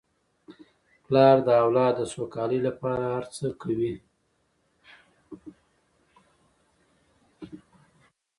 پلار د اولاد د سوکالۍ لپاره هر څه کوي.